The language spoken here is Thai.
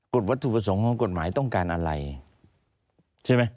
วัตถุประสงค์ของกฎหมายต้องการอะไรใช่ไหม